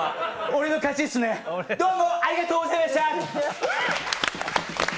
俺の勝ちっすね、どうもありがとうございました。